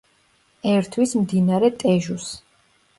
ერთვის მდინარე ტეჟუს.